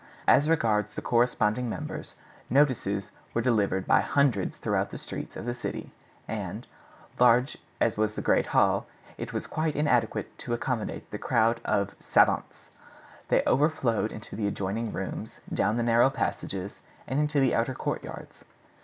As regards the corresponding members, notices were delivered by hundreds throughout the streets of the city, and, large as was the great hall, it was quite inadequate to accommodate the crowd of savants. They overflowed into the adjoining rooms, down the narrow passages, into the outer courtyards.